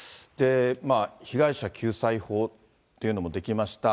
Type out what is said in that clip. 被害者救済法っていうのも出来ました。